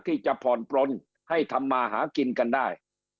ที่จะผ่อนปลนให้ทำมาหากินกันได้